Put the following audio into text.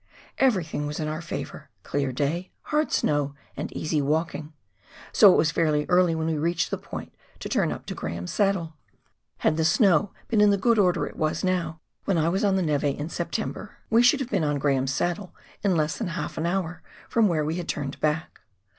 Everything was in our favour — clear day, hard snow, and easy walking — so it was fairly early when we reached the point to turn up to Graham's Saddle. Had the snow been in the good order it now was, when I was on the 7ieve in Septem 276 PIONEER WORK IN THE ALPS OF NEW ZEALAND. ber, we should have been on Graham's Saddle in less than half an hour from where we had turned back.